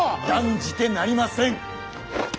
断じてなりません！